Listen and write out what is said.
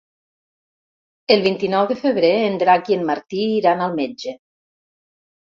El vint-i-nou de febrer en Drac i en Martí iran al metge.